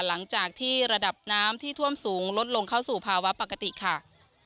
หลังจากที่ระดับน้ำที่ท่วมสูงลดลงเข้าสู่ภาวะปกติค่ะ